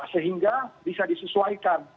sehingga bisa disesuaikan